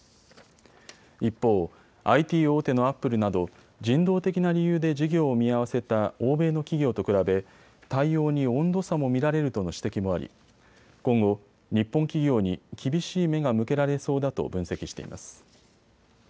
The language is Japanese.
一方、ＩＴ大手のアップルなど人道的な理由で事業を見合わせた欧米の企業と比べ対応に温度差も見られるとの指摘もあり今後、日本企業に厳しい目が向けられそうだと分析しています。